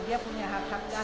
dia punya hak hak